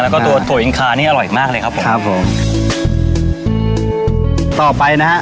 แล้วก็ตัวตัวอินคานี่อร่อยมากเลยครับผมครับผมต่อไปนะฮะ